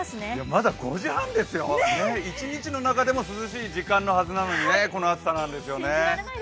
まだ５時半ですよ、一日の中でも涼しい時間のはずなのにこの暑さなんですよね。